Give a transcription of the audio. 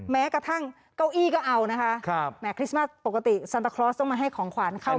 แม้กระทั่งเก้าอี้ก็เอานะคะแหมคริสต์มัสปกติซันตาคลอสต้องมาให้ของขวานเข้า